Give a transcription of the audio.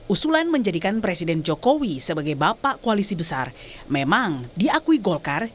usulan menjadikan presiden jokowi sebagai bapak koalisi besar memang diakui golkar